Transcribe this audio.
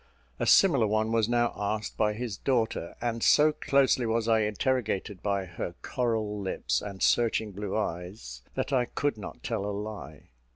A similar one was now asked by his daughter; and so closely was I interrogated by her coral lips and searching blue eyes, that I could not tell a lie.